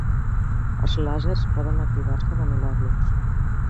Els làsers poden activar-se en anular-los.